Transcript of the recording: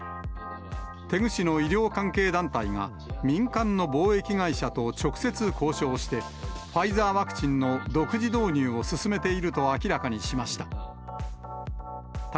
テグ市の医療関係団体が、民間の貿易会社と直接交渉して、ファイザーワクチンの独自導入を進めていると明らかにしました。